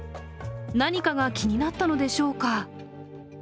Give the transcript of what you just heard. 何かが気になったのでしょうか。